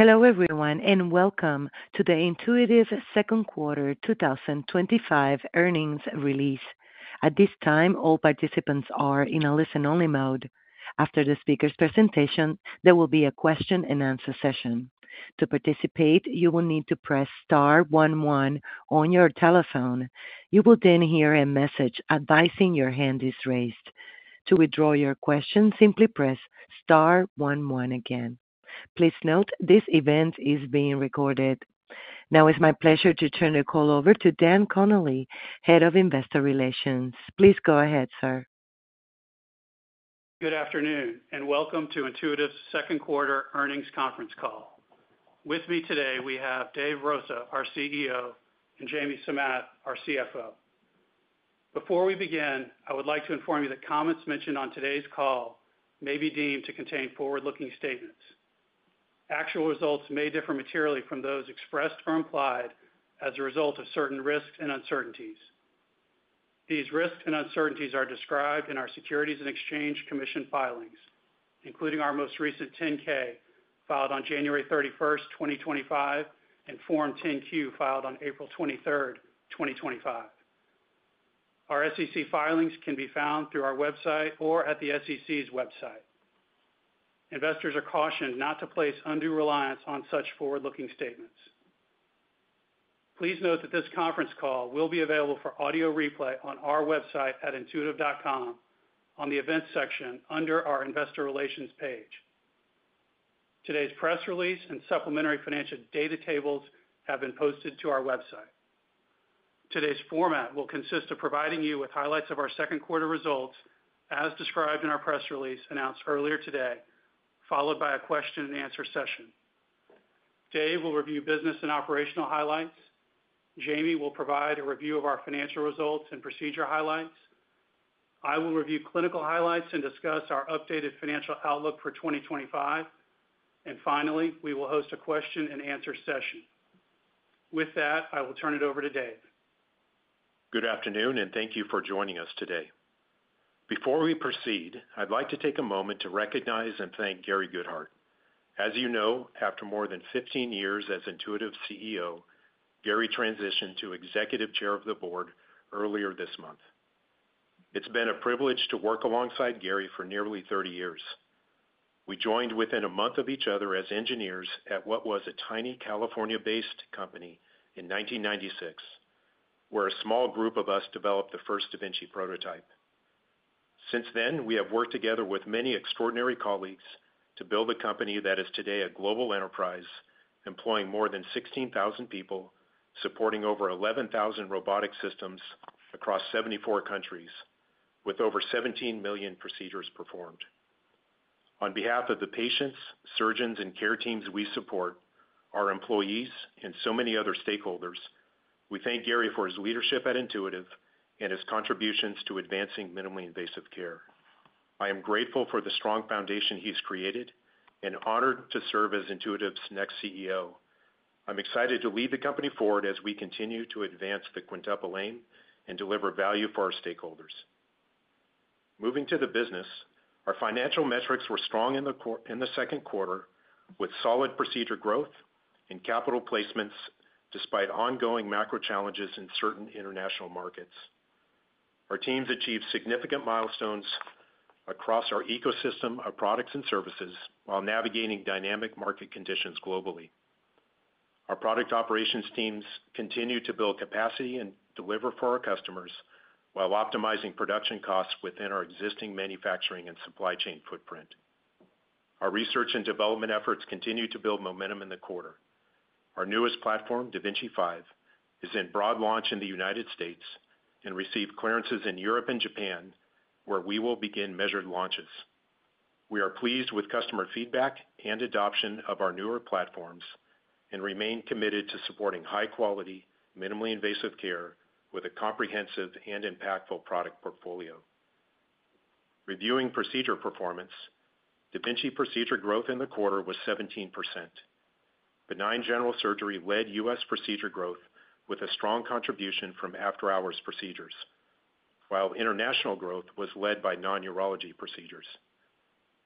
Hello everyone and welcome to the Intuitive Surgical Second Quarter 2025 earnings release. At this time, all participants are in a listen-only mode. After the speaker's presentation, there will be a question-and-answer session. To participate, you will need to press star one one on your telephone. You will then hear a message advising your hand is raised. To withdraw your question, simply press star one one again. Please note this event is being recorded. Now it's my pleasure to turn the call over to Dan Connolly, Head of Investor Relations. Please go ahead, sir. Good afternoon and welcome to Intuitive Surgical Second Quarter earnings conference call. With me today, we have Dave Rosa, our CEO, and Jamie Samath, our CFO. Before we begin, I would like to inform you that comments mentioned on today's call may be deemed to contain forward-looking statements. Actual results may differ materially from those expressed or implied as a result of certain risks and uncertainties. These risks and uncertainties are described in our Securities and Exchange Commission filings, including our most recent Form 10-K filed on January 31, 2025, and Form 10-Q filed on April 23, 2025. Our SEC filings can be found through our website or at the SEC's website. Investors are cautioned not to place undue reliance on such forward-looking statements. Please note that this conference call will be available for audio replay on our website at intuitive.com on the events section under our Investor Relations page. Today's press release and supplementary financial data tables have been posted to our website. Today's format will consist of providing you with highlights of our second quarter results as described in our press release announced earlier today, followed by a question-and-answer session. Dave will review business and operational highlights. Jamie will provide a review of our financial results and procedure highlights. I will review clinical highlights and discuss our updated financial outlook for 2025. Finally, we will host a question-and-answer session. With that, I will turn it over to Dave. Good afternoon and thank you for joining us today. Before we proceed, I'd like to take a moment to recognize and thank Gary Guthart. As you know, after more than 15 years as Intuitive's CEO, Gary transitioned to Executive Chair of the Board earlier this month. It's been a privilege to work alongside Gary for nearly 30 years. We joined within a month of each other as engineers at what was a tiny California-based company in 1996, where a small group of us developed the first da Vinci prototype. Since then, we have worked together with many extraordinary colleagues to build a company that is today a global enterprise, employing more than 16,000 people, supporting over 11,000 robotic systems across 74 countries, with over 17 million procedures performed. On behalf of the patients, surgeons, and care teams we support, our employees, and so many other stakeholders, we thank Gary for his leadership at Intuitive and his contributions to advancing minimally invasive care. I am grateful for the strong foundation he's created and honored to serve as Intuitive's next CEO. I'm excited to lead the company forward as we continue to advance the quintuple aim and deliver value for our stakeholders. Moving to the business, our financial metrics were strong in the second quarter with solid procedure growth and capital placements despite ongoing macro challenges in certain international markets. Our teams achieved significant milestones across our ecosystem of products and services while navigating dynamic market conditions globally. Our product operations teams continue to build capacity and deliver for our customers while optimizing production costs within our existing manufacturing and supply chain footprint. Our research and development efforts continue to build momentum in the quarter. Our newest platform, da Vinci 5, is in broad launch in the United States and received clearances in Europe and Japan, where we will begin measured launches. We are pleased with customer feedback and adoption of our newer platforms and remain committed to supporting high-quality, minimally invasive care with a comprehensive and impactful product portfolio. Reviewing procedure performance, da Vinci procedure growth in the quarter was 17%. Benign general surgery led U.S. procedure growth with a strong contribution from after-hours procedures, while international growth was led by non-urology procedures.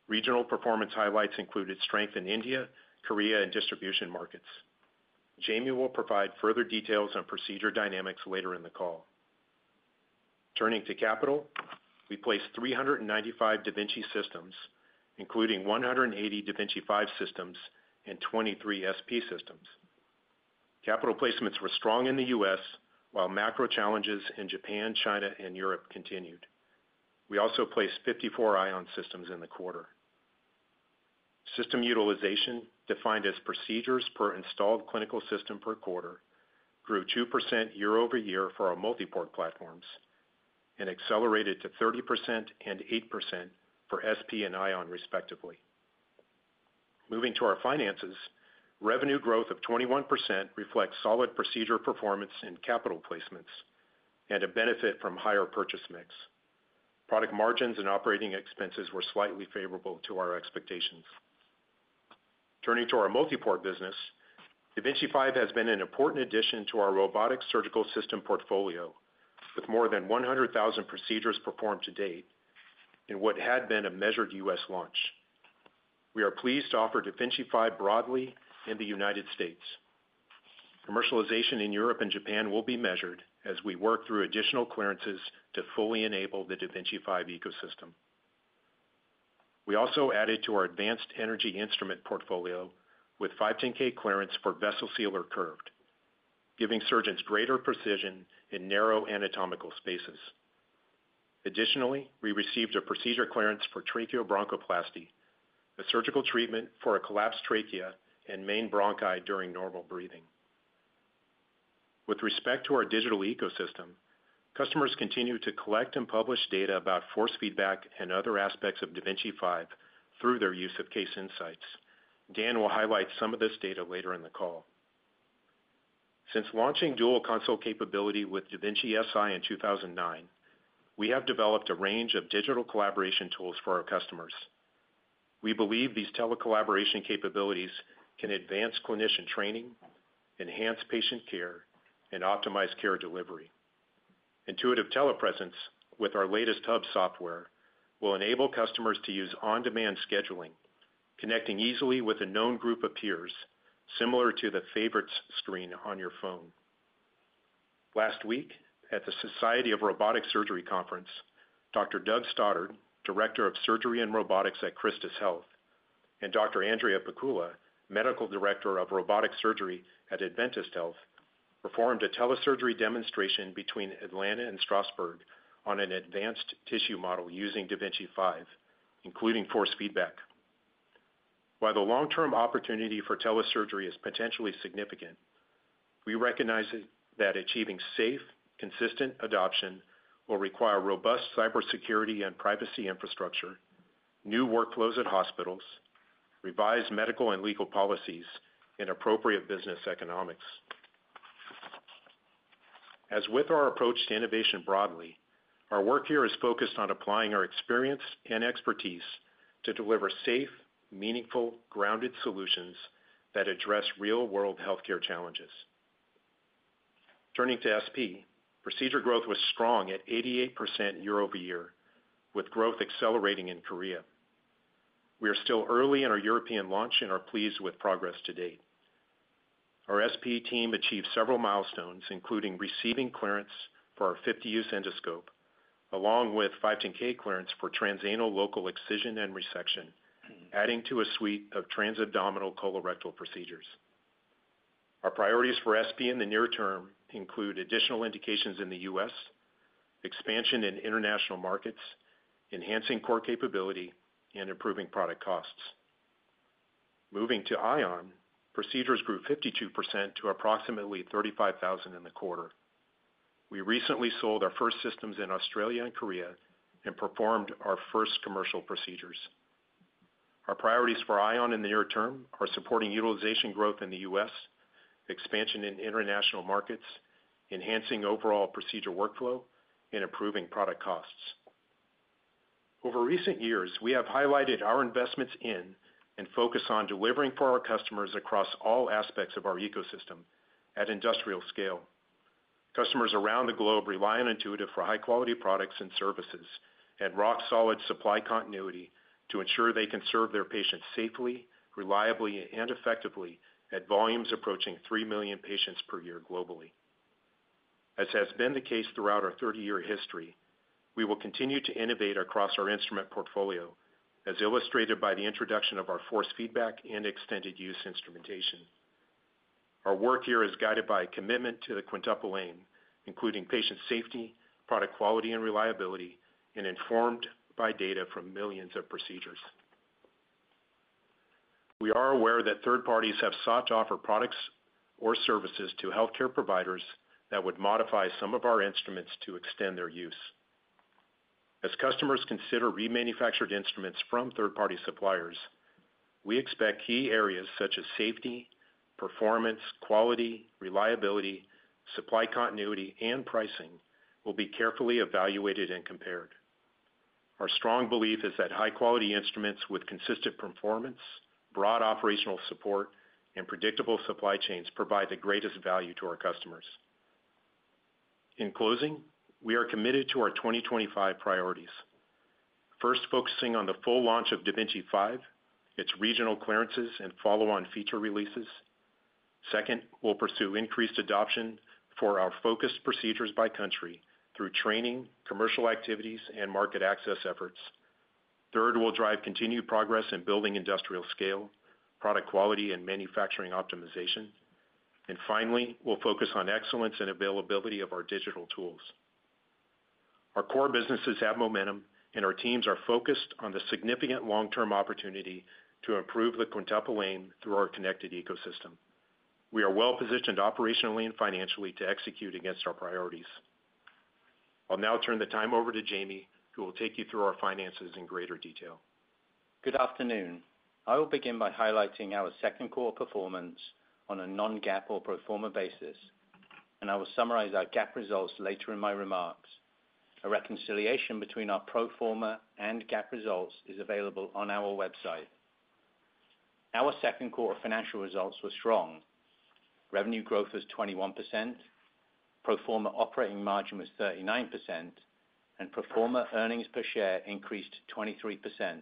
Regional performance highlights included strength in India, Korea, and distribution markets. Jamie will provide further details on procedure dynamics later in the call. Turning to capital, we placed 395 da Vinci systems, including 180 da Vinci 5 systems and 23 SP systems. Capital placements were strong in the U.S., while macro challenges in Japan, China, and Europe continued. We also placed 54 Ion systems in the quarter. System utilization, defined as procedures per installed clinical system per quarter, grew 2% year over year for our multi-port platforms and accelerated to 30% and 8% for SP and Ion, respectively. Moving to our finances, revenue growth of 21% reflects solid procedure performance and capital placements and a benefit from higher purchase mix. Product margins and operating expenses were slightly favorable to our expectations. Turning to our multi-port business. da Vinci 5 has been an important addition to our robotic surgical system portfolio with more than 100,000 procedures performed to date in what had been a measured U.S. launch. We are pleased to offer da Vinci 5 broadly in the United States. Commercialization in Europe and Japan will be measured as we work through additional clearances to fully enable the da Vinci 5 ecosystem. We also added to our advanced energy instrument portfolio with 510(k) clearance for Vessel Sealer Curved, giving surgeons greater precision in narrow anatomical spaces. Additionally, we received a procedure clearance for tracheobronchoplasty, a surgical treatment for a collapsed trachea and main bronchi during normal breathing. With respect to our digital ecosystem, customers continue to collect and publish data about force feedback and other aspects of da Vinci 5 through their use of Case Insights. Dan will highlight some of this data later in the call. Since launching dual console capability with da Vinci Si in 2009, we have developed a range of digital collaboration tools for our customers. We believe these telecollaboration capabilities can advance clinician training, enhance patient care, and optimize care delivery. Intuitive Telepresence, with our latest Hub software, will enable customers to use on-demand scheduling, connecting easily with a known group of peers, similar to the favorites screen on your phone. Last week, at the Society of Robotic Surgery Conference, Dr. Doug Stoddard, Director of Surgery and Robotics at Christus Health, and Dr. Andrea Pecula, Medical Director of Robotic Surgery at Adventist Health, performed a telesurgery demonstration between Atlanta and Strasberg on an advanced tissue model using da Vinci 5, including force feedback. While the long-term opportunity for telesurgery is potentially significant, we recognize that achieving safe, consistent adoption will require robust cybersecurity and privacy infrastructure, new workflows at hospitals, revised medical and legal policies, and appropriate business economics. As with our approach to innovation broadly, our work here is focused on applying our experience and expertise to deliver safe, meaningful, grounded solutions that address real-world healthcare challenges. Turning to SP, procedure growth was strong at 88% year over year, with growth accelerating in Korea. We are still early in our European launch and are pleased with progress to date. Our SP team achieved several milestones, including receiving clearance for our 50-use Endoscope, along with 510(k) clearance for transanal local excision and resection, adding to a suite of transabdominal colorectal procedures. Our priorities for SP in the near term include additional indications in the U.S., expansion in international markets, enhancing core capability, and improving product costs. Moving to Ion, procedures grew 52% to approximately 35,000 in the quarter. We recently sold our first systems in Australia and Korea and performed our first commercial procedures. Our priorities for Ion in the near term are supporting utilization growth in the U.S., expansion in international markets, enhancing overall procedure workflow, and improving product costs. Over recent years, we have highlighted our investments in and focus on delivering for our customers across all aspects of our ecosystem at industrial scale. Customers around the globe rely on Intuitive for high-quality products and services and rock-solid supply continuity to ensure they can serve their patients safely, reliably, and effectively at volumes approaching 3 million patients per year globally. As has been the case throughout our 30-year history, we will continue to innovate across our instrument portfolio, as illustrated by the introduction of our force feedback and extended-use instrumentation. Our work here is guided by a commitment to the quintuple aim, including patient safety, product quality, and reliability, and informed by data from millions of procedures. We are aware that third parties have sought to offer products or services to healthcare providers that would modify some of our instruments to extend their use. As customers consider remanufactured instruments from third-party suppliers, we expect key areas such as safety, performance, quality, reliability, supply continuity, and pricing will be carefully evaluated and compared. Our strong belief is that high-quality instruments with consistent performance, broad operational support, and predictable supply chains provide the greatest value to our customers. In closing, we are committed to our 2025 priorities. First, focusing on the full launch of da Vinci 5, its regional clearances, and follow-on feature releases. Second, we'll pursue increased adoption for our focused procedures by country through training, commercial activities, and market access efforts. Third, we'll drive continued progress in building industrial scale, product quality, and manufacturing optimization. Finally, we'll focus on excellence and availability of our digital tools. Our core businesses have momentum, and our teams are focused on the significant long-term opportunity to improve the quintuple aim through our connected ecosystem. We are well-positioned operationally and financially to execute against our priorities. I'll now turn the time over to Jamie, who will take you through our finances in greater detail. Good afternoon. I will begin by highlighting our second quarter performance on a non-GAAP or Proforma basis, and I will summarize our GAAP results later in my remarks. A reconciliation between our Proforma and GAAP results is available on our website. Our second quarter financial results were strong. Revenue growth was 21%. Proforma operating margin was 39%, and Proforma earnings per share increased 23%.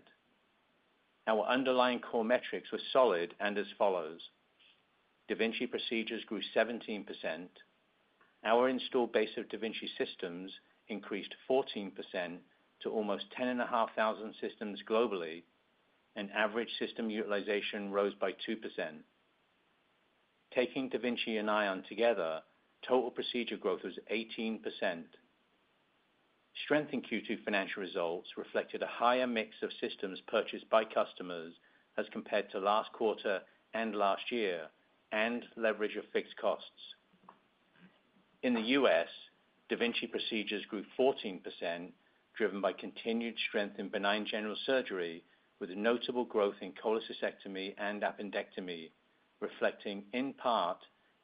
Our underlying core metrics were solid and as follows. Da Vinci procedures grew 17%. Our installed base of da Vinci systems increased 14% to almost 10,500 systems globally, and average system utilization rose by 2%. Taking da Vinci and Ion together, total procedure growth was 18%. Strength in Q2 financial results reflected a higher mix of systems purchased by customers as compared to last quarter and last year and leverage of fixed costs. In the U.S., da Vinci procedures grew 14%, driven by continued strength in benign general surgery, with notable growth in cholecystectomy and appendectomy, reflecting in part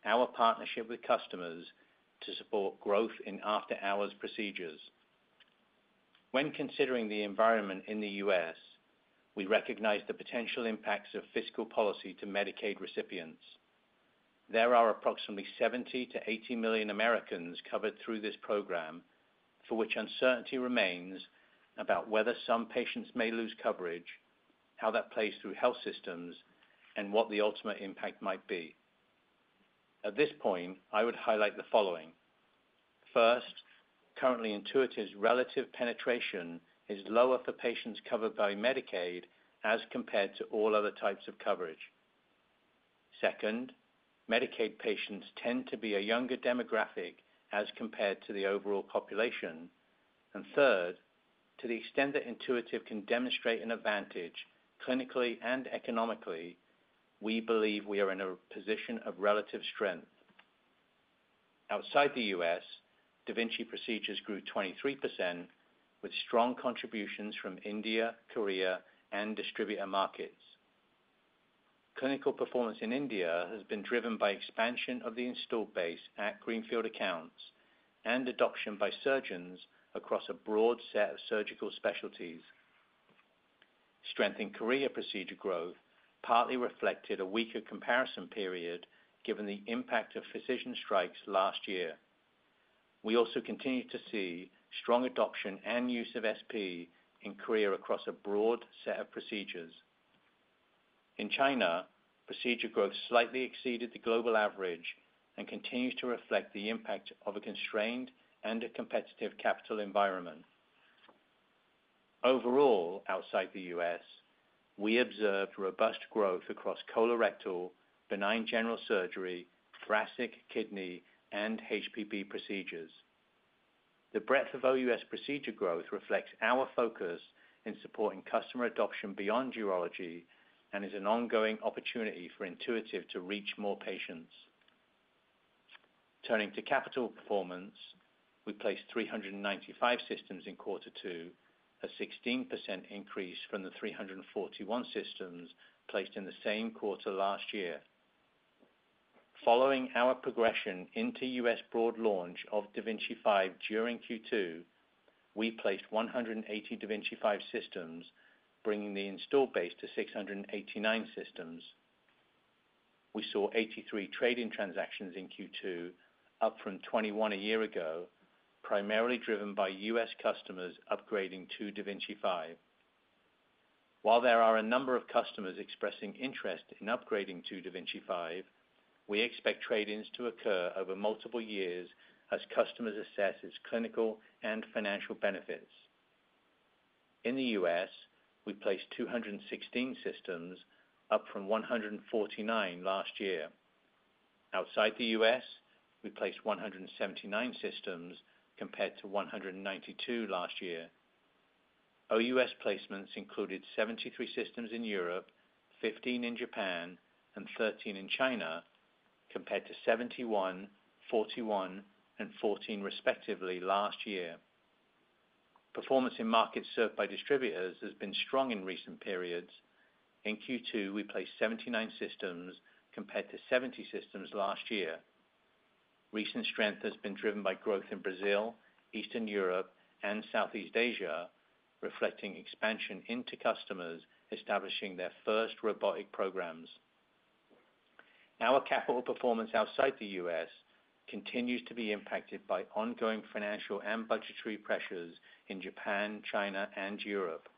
our partnership with customers to support growth in after-hours procedures. When considering the environment in the U.S., we recognize the potential impacts of fiscal policy to Medicaid recipients. There are approximately 70-80 million Americans covered through this program. For which uncertainty remains about whether some patients may lose coverage, how that plays through health systems, and what the ultimate impact might be. At this point, I would highlight the following. First, currently Intuitive's relative penetration is lower for patients covered by Medicaid as compared to all other types of coverage. Second, Medicaid patients tend to be a younger demographic as compared to the overall population. And third, to the extent that Intuitive can demonstrate an advantage clinically and economically, we believe we are in a position of relative strength. Outside the U.S., da Vinci procedures grew 23%, with strong contributions from India, Korea, and distributor markets. Clinical performance in India has been driven by expansion of the installed base at Greenfield accounts and adoption by surgeons across a broad set of surgical specialties. Strength in Korea procedure growth partly reflected a weaker comparison period given the impact of precision strikes last year. We also continue to see strong adoption and use of SP in Korea across a broad set of procedures. In China, procedure growth slightly exceeded the global average and continues to reflect the impact of a constrained and a competitive capital environment. Overall, outside the U.S., we observed robust growth across colorectal, benign general surgery, thoracic, kidney, and HPB procedures. The breadth of OUS procedure growth reflects our focus in supporting customer adoption beyond urology and is an ongoing opportunity for Intuitive to reach more patients. Turning to capital performance, we placed 395 systems in quarter two, a 16% increase from the 341 systems placed in the same quarter last year. Following our progression into U.S. broad launch of da Vinci 5 during Q2, we placed 180 da Vinci 5 systems, bringing the installed base to 689 systems. We saw 83 trade-in transactions in Q2, up from 21 a year ago, primarily driven by U.S. customers upgrading to da Vinci 5. While there are a number of customers expressing interest in upgrading to da Vinci 5, we expect trade-ins to occur over multiple years as customers assess its clinical and financial benefits. In the U.S., we placed 216 systems, up from 149 last year. Outside the U.S., we placed 179 systems compared to 192 last year. OUS placements included 73 systems in Europe, 15 in Japan, and 13 in China, compared to 71, 41, and 14 respectively last year. Performance in markets served by distributors has been strong in recent periods. In Q2, we placed 79 systems compared to 70 systems last year. Recent strength has been driven by growth in Brazil, Eastern Europe, and Southeast Asia, reflecting expansion into customers establishing their first robotic programs. Our capital performance outside the U.S. continues to be impacted by ongoing financial and budgetary pressures in Japan, China, and Europe.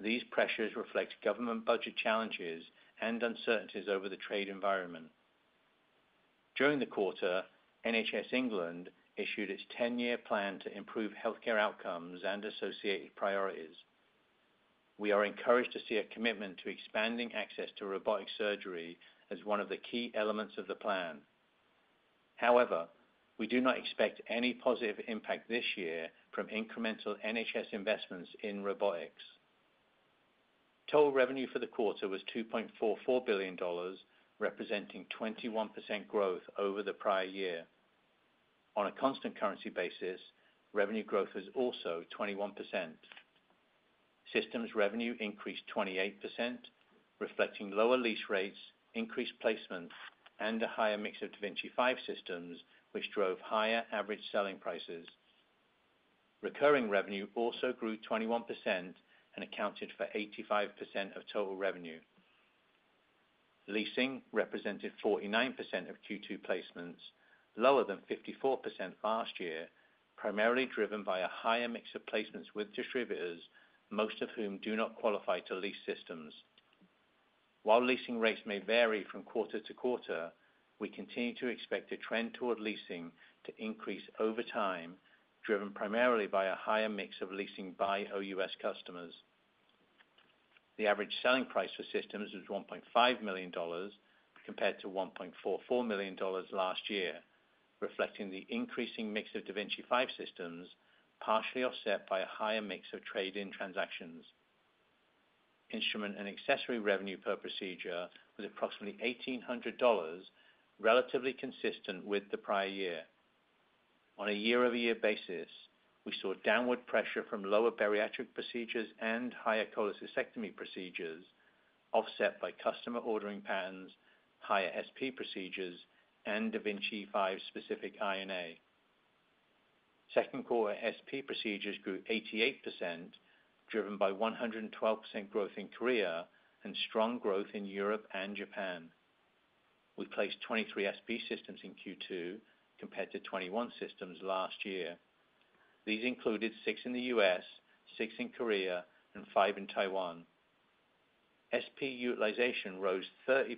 These pressures reflect government budget challenges and uncertainties over the trade environment. During the quarter, NHS England issued its 10-year plan to improve healthcare outcomes and associated priorities. We are encouraged to see a commitment to expanding access to robotic surgery as one of the key elements of the plan. However, we do not expect any positive impact this year from incremental NHS investments in robotics. Total revenue for the quarter was $2.44 billion, representing 21% growth over the prior year. On a constant currency basis, revenue growth was also 21%. Systems revenue increased 28%, reflecting lower lease rates, increased placements, and a higher mix of da Vinci 5 systems, which drove higher average selling prices. Recurring revenue also grew 21% and accounted for 85% of total revenue. Leasing represented 49% of Q2 placements, lower than 54% last year, primarily driven by a higher mix of placements with distributors, most of whom do not qualify to lease systems. While leasing rates may vary from quarter to quarter, we continue to expect a trend toward leasing to increase over time, driven primarily by a higher mix of leasing by OUS customers. The average selling price for systems was $1.5 million. Compared to $1.44 million last year, reflecting the increasing mix of da Vinci 5 systems, partially offset by a higher mix of trade-in transactions. Instrument and accessory revenue per procedure was approximately $1,800. Relatively consistent with the prior year. On a year-over-year basis, we saw downward pressure from lower bariatric procedures and higher cholecystectomy procedures, offset by customer ordering patterns, higher SP procedures, and da Vinci 5-specific INA. Second quarter, SP procedures grew 88%, driven by 112% growth in Korea and strong growth in Europe and Japan. We placed 23 SP systems in Q2 compared to 21 systems last year. These included 6 in the U.S., 6 in Korea, and 5 in Taiwan. SP utilization rose 30%,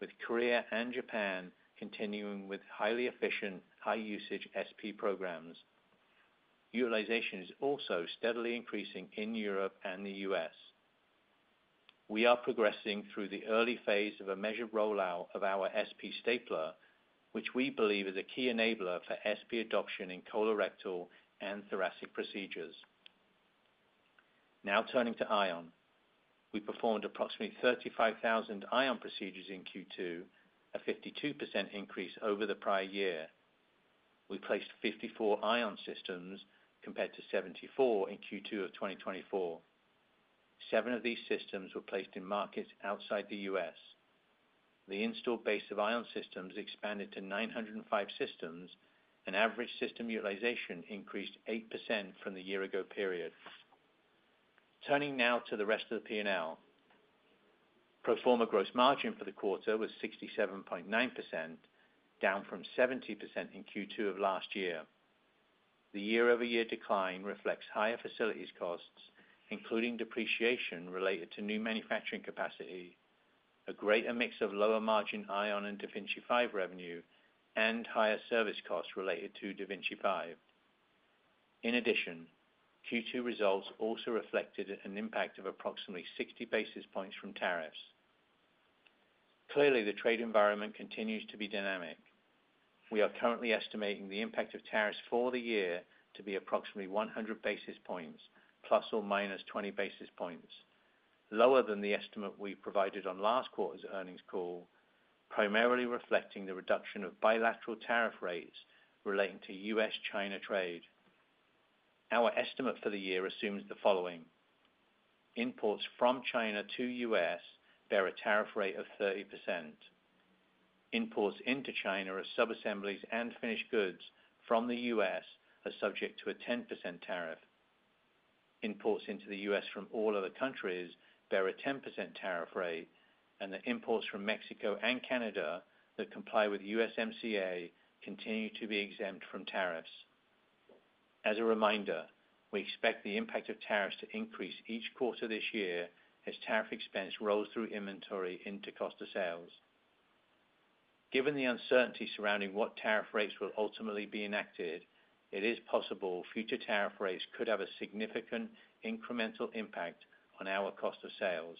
with Korea and Japan continuing with highly efficient, high-usage SP programs. Utilization is also steadily increasing in Europe and the U.S. We are progressing through the early phase of a measured rollout of our SP stapler, which we believe is a key enabler for SP adoption in colorectal and thoracic procedures. Now turning to Ion. We performed approximately 35,000 Ion procedures in Q2, a 52% increase over the prior year. We placed 54 Ion systems compared to 74 in Q2 of 2024. Seven of these systems were placed in markets outside the U.S. The installed base of Ion systems expanded to 905 systems, and average system utilization increased 8% from the year-ago period. Turning now to the rest of the P&L. Proforma gross margin for the quarter was 67.9%, down from 70% in Q2 of last year. The year-over-year decline reflects higher facilities costs, including depreciation related to new manufacturing capacity, a greater mix of lower-margin Ion and da Vinci 5 revenue, and higher service costs related to da Vinci 5. In addition, Q2 results also reflected an impact of approximately 60 basis points from tariffs. Clearly, the trade environment continues to be dynamic. We are currently estimating the impact of tariffs for the year to be approximately 100 basis points, plus or minus 20 basis points, lower than the estimate we provided on last quarter's earnings call, primarily reflecting the reduction of bilateral tariff rates relating to U.S.-China trade. Our estimate for the year assumes the following. Imports from China to U.S. bear a tariff rate of 30%. Imports into China of subassemblies and finished goods from the U.S. are subject to a 10% tariff. Imports into the U.S. from all other countries bear a 10% tariff rate, and the imports from Mexico and Canada that comply with USMCA continue to be exempt from tariffs. As a reminder, we expect the impact of tariffs to increase each quarter this year as tariff expense rolls through inventory into cost of sales. Given the uncertainty surrounding what tariff rates will ultimately be enacted, it is possible future tariff rates could have a significant incremental impact on our cost of sales.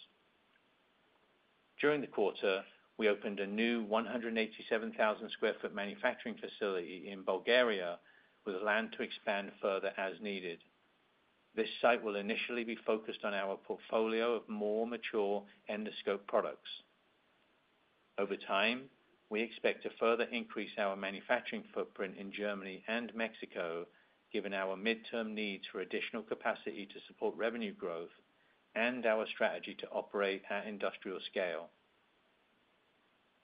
During the quarter, we opened a new 187,000 sq ft manufacturing facility in Bulgaria, with land to expand further as needed. This site will initially be focused on our portfolio of more mature endoscope products. Over time, we expect to further increase our manufacturing footprint in Germany and Mexico, given our midterm needs for additional capacity to support revenue growth and our strategy to operate at industrial scale.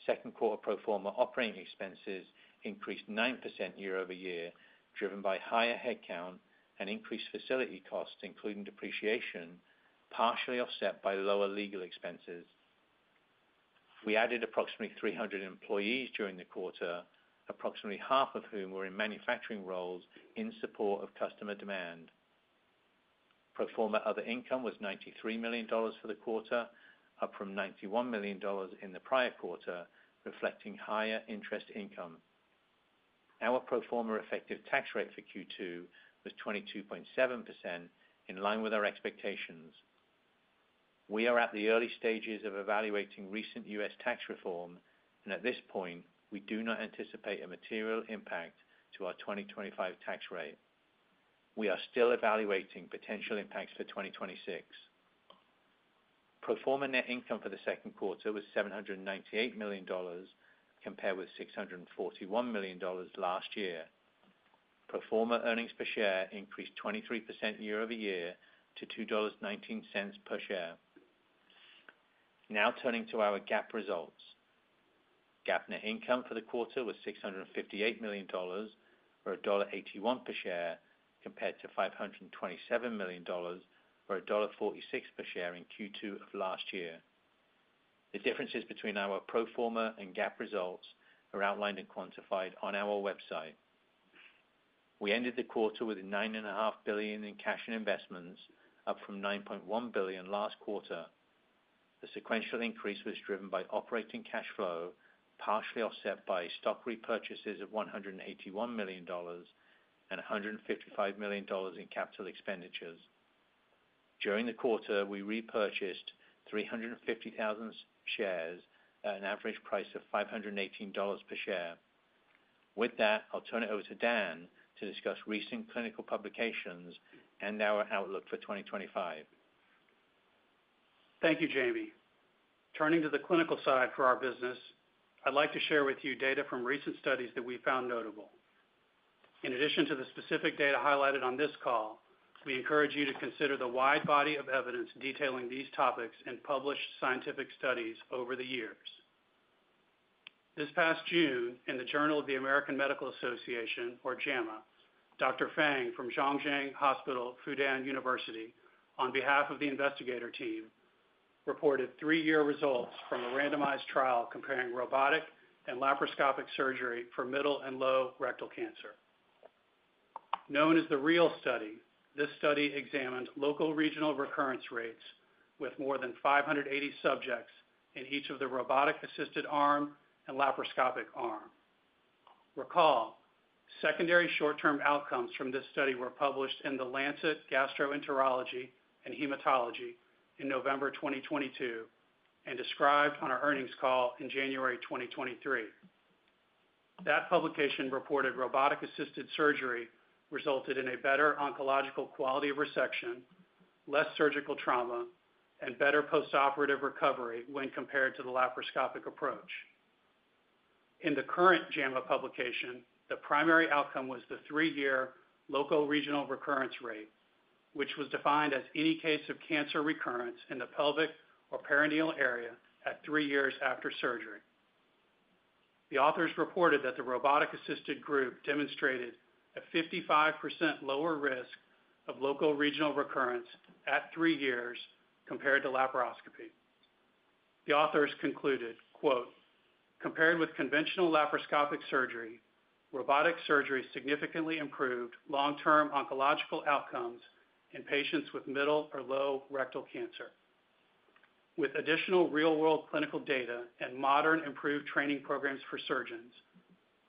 Second quarter proforma operating expenses increased 9% year-over-year, driven by higher headcount and increased facility costs, including depreciation, partially offset by lower legal expenses. We added approximately 300 employees during the quarter, approximately half of whom were in manufacturing roles in support of customer demand. Proforma other income was $93 million for the quarter, up from $91 million in the prior quarter, reflecting higher interest income. Our proforma effective tax rate for Q2 was 22.7%, in line with our expectations. We are at the early stages of evaluating recent U.S. tax reform, and at this point, we do not anticipate a material impact to our 2025 tax rate. We are still evaluating potential impacts for 2026. Proforma net income for the second quarter was $798 million, compared with $641 million last year. Proforma earnings per share increased 23% year-over-year to $2.19 per share. Now turning to our GAAP results. GAAP net income for the quarter was $658 million, or $1.81 per share, compared to $527 million, or $1.46 per share in Q2 of last year. The differences between our Proforma and GAAP results are outlined and quantified on our website. We ended the quarter with $9.5 billion in cash and investments, up from $9.1 billion last quarter. The sequential increase was driven by operating cash flow, partially offset by stock repurchases of $181 million and $155 million in capital expenditures. During the quarter, we repurchased 350,000 shares at an average price of $518 per share. With that, I'll turn it over to Dan to discuss recent clinical publications and our outlook for 2025. Thank you, Jamie. Turning to the clinical side for our business, I'd like to share with you data from recent studies that we found notable. In addition to the specific data highlighted on this call, we encourage you to consider the wide body of evidence detailing these topics in published scientific studies over the years. This past June, in the Journal of the American Medical Association, or JAMA, Dr. Fang from Zhongjiang Hospital, Fudan University, on behalf of the investigator team, reported three-year results from a randomized trial comparing robotic and laparoscopic surgery for middle and low rectal cancer. Known as the REAL study, this study examined local regional recurrence rates with more than 580 subjects in each of the robotic-assisted arm and laparoscopic arm. Recall, secondary short-term outcomes from this study were published in The Lancet Gastroenterology and Hematology in November 2022 and described on our earnings call in January 2023. That publication reported robotic-assisted surgery resulted in a better oncological quality of resection, less surgical trauma, and better post-operative recovery when compared to the laparoscopic approach. In the current JAMA publication, the primary outcome was the three-year local regional recurrence rate, which was defined as any case of cancer recurrence in the pelvic or perineal area at three years after surgery. The authors reported that the robotic-assisted group demonstrated a 55% lower risk of local regional recurrence at three years compared to laparoscopy. The authors concluded, "Compared with conventional laparoscopic surgery, robotic surgery significantly improved long-term oncological outcomes in patients with middle or low rectal cancer." With additional real-world clinical data and modern improved training programs for surgeons,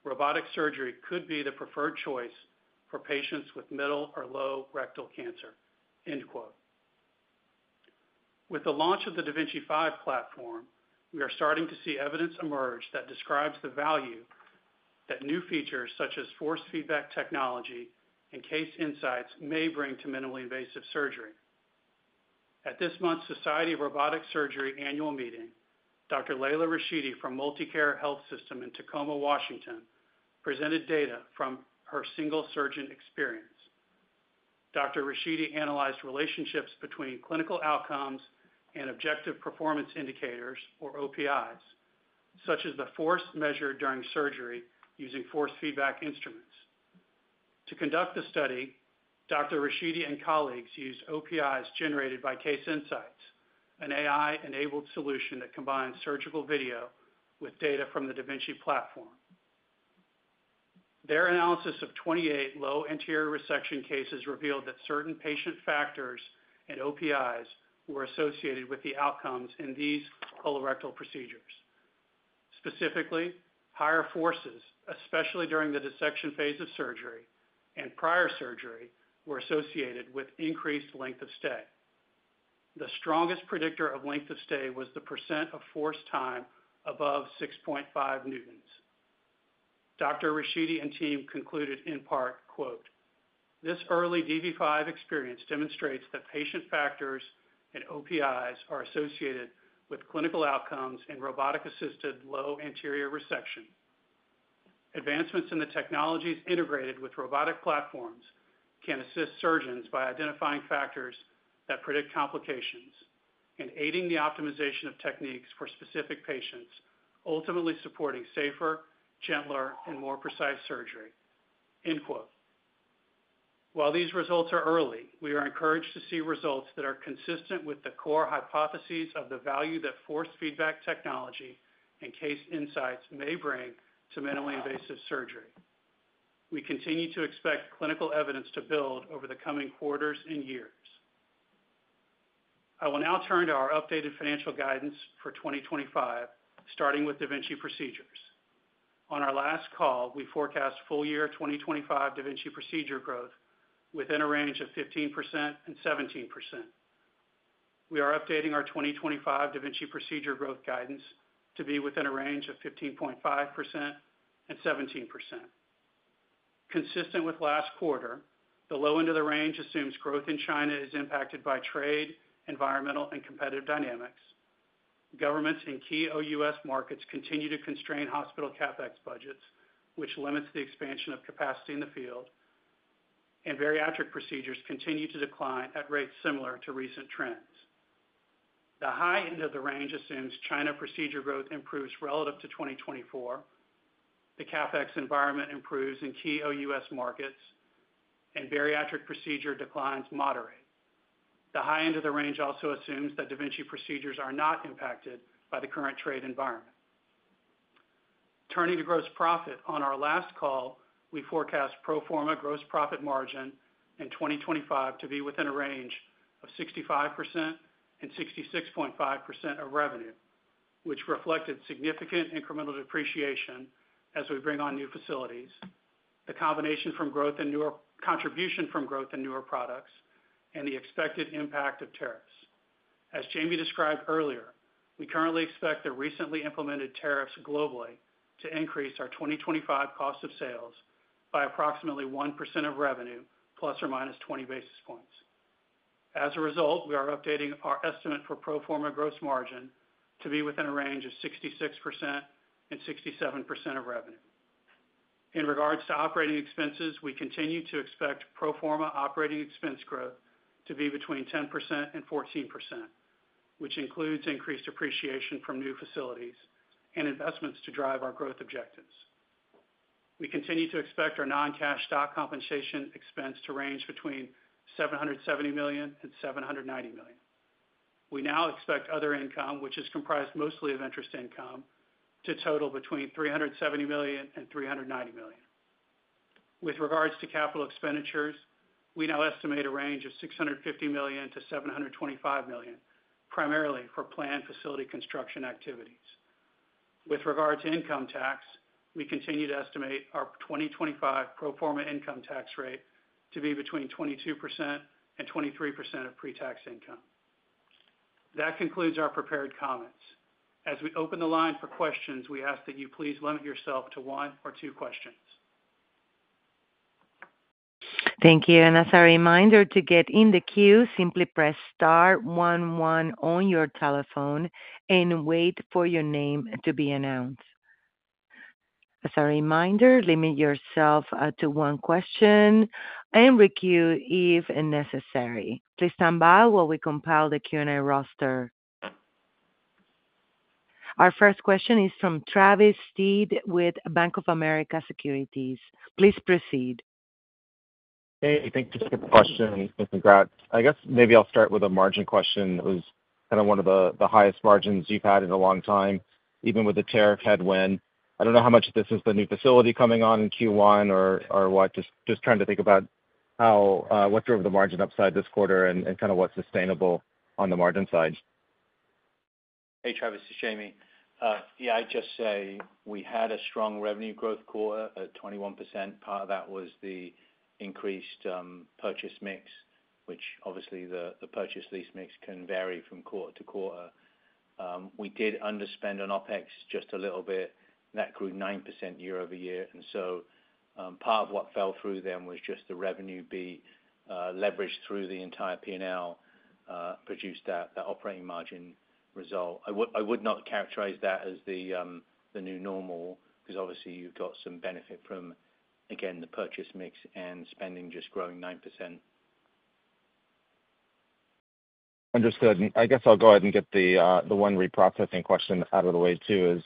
robotic surgery could be the preferred choice for patients with middle or low rectal cancer. With the launch of the da Vinci 5 platform, we are starting to see evidence emerge that describes the value that new features such as force feedback technology and Case Insights may bring to minimally invasive surgery. At this month's Society of Robotic Surgery annual meeting, Dr. Laila Rashidi from MultiCare Health System in Tacoma, Washington, presented data from her single surgeon experience. Dr. Rashidi analyzed relationships between clinical outcomes and objective performance indicators, or OPIs, such as the force measured during surgery using force feedback instruments. To conduct the study, Dr. Rashidi and colleagues used OPIs generated by Case Insights, an AI-enabled solution that combines surgical video with data from the da Vinci platform. Their analysis of 28 low anterior resection cases revealed that certain patient factors and OPIs were associated with the outcomes in these colorectal procedures. Specifically, higher forces, especially during the dissection phase of surgery and prior surgery, were associated with increased length of stay. The strongest predictor of length of stay was the percent of force time above 6.5 newtons. Dr. Rashidi and team concluded in part, "This early DV5 experience demonstrates that patient factors and OPIs are associated with clinical outcomes in robotic-assisted low anterior resection. Advancements in the technologies integrated with robotic platforms can assist surgeons by identifying factors that predict complications and aiding the optimization of techniques for specific patients, ultimately supporting safer, gentler, and more precise surgery." While these results are early, we are encouraged to see results that are consistent with the core hypotheses of the value that force feedback technology and Case Insights may bring to minimally invasive surgery. We continue to expect clinical evidence to build over the coming quarters and years. I will now turn to our updated financial guidance for 2025, starting with da Vinci procedures. On our last call, we forecast full-year 2025 da Vinci procedure growth within a range of 15%-17%. We are updating our 2025 da Vinci procedure growth guidance to be within a range of 15.5%-17%. Consistent with last quarter, the low end of the range assumes growth in China is impacted by trade, environmental, and competitive dynamics. Governments in key OUS markets continue to constrain hospital CapEx budgets, which limits the expansion of capacity in the field. Bariatric procedures continue to decline at rates similar to recent trends. The high end of the range assumes China procedure growth improves relative to 2024. The CapEx environment improves in key OUS markets, and bariatric procedure declines moderate. The high end of the range also assumes that da Vinci procedures are not impacted by the current trade environment. Turning to gross profit, on our last call, we forecast Proforma gross profit margin in 2025 to be within a range of 65%-66.5% of revenue, which reflected significant incremental depreciation as we bring on new facilities, the combination from growth and newer contribution from growth and newer products, and the expected impact of tariffs. As Jamie described earlier, we currently expect the recently implemented tariffs globally to increase our 2025 cost of sales by approximately 1% of revenue, plus or minus 20 basis points. As a result, we are updating our estimate for Proforma gross margin to be within a range of 66%-67% of revenue. In regards to operating expenses, we continue to expect Proforma operating expense growth to be between 10% and 14%, which includes increased appreciation from new facilities and investments to drive our growth objectives. We continue to expect our non-cash stock compensation expense to range between $770 million and $790 million. We now expect other income, which is comprised mostly of interest income, to total between $370 million and $390 million. With regards to capital expenditures, we now estimate a range of $650 million-$725 million, primarily for planned facility construction activities. With regards to income tax, we continue to estimate our 2025 Proforma income tax rate to be between 22% and 23% of pre-tax income. That concludes our prepared comments. As we open the line for questions, we ask that you please limit yourself to one or two questions. Thank you. As a reminder, to get in the queue, simply press star one one on your telephone and wait for your name to be announced. As a reminder, limit yourself to one question and requeue if necessary. Please stand by while we compile the Q&A roster. Our first question is from Travis Steed with Bank of America Securities. Please proceed. Hey, thank you for the question. Thank you, Grant. I guess maybe I'll start with a margin question. It was kind of one of the highest margins you've had in a long time, even with the tariff headwind. I don't know how much of this is the new facility coming on in Q1 or what. Just trying to think about what drove the margin upside this quarter and kind of what's sustainable on the margin side. Hey, Travis, this is Jamie. Yeah, I'd just say we had a strong revenue growth quarter, at 21%. Part of that was the increased purchase mix, which obviously the purchase lease mix can vary from quarter to quarter. We did underspend on OpEx just a little bit. That grew 9% year over year. Part of what fell through then was just the revenue be leveraged through the entire P&L. Produced that operating margin result. I would not characterize that as the new normal because obviously you've got some benefit from, again, the purchase mix and spending just growing 9%. Understood. I guess I'll go ahead and get the one reprocessing question out of the way too.